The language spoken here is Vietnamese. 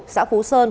xã phú sơn